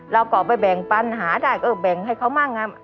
เราก็ไปแบ่งปันหาได้ก็แบ่งให้เขามั่ง